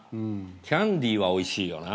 キャンディーはおいしいよな。